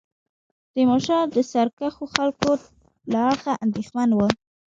تیمورشاه د سرکښو خلکو له اړخه اندېښمن وو.